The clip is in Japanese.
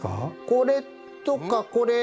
これとかこれ。